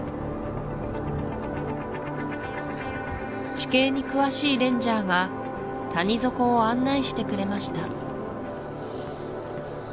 地形に詳しいレンジャーが谷底を案内してくれました